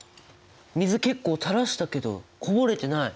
水結構たらしたけどこぼれてない！